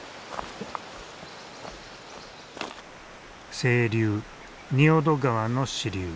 清流仁淀川の支流。